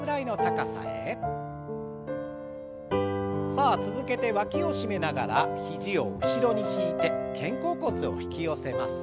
さあ続けてわきを締めながら肘を後ろに引いて肩甲骨を引き寄せます。